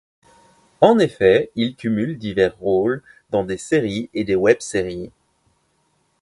En effet, il cumule divers rôles dans des séries et des web-séries.